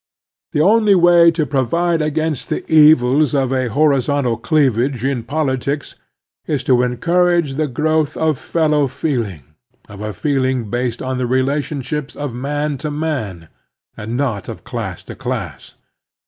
The only way to provide against the evils of a horizontal cleavage in politics is to encourage the growth of fellow feeling, of a feeling based on the V relations of man to man, and not of class to class.